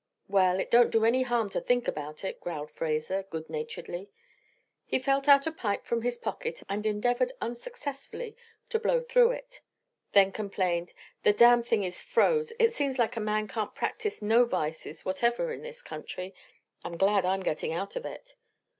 "Well, it don't do any harm to think about it," growled Fraser, good naturedly. He felt out a pipe from his pocket and endeavored unsuccessfully to blow through it, then complained: "The damn thing is froze. It seems like a man can't practice no vices whatever in this country. I'm glad I'm getting out of it."